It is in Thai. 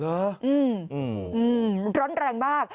อืมอืมร้อนแรงมาก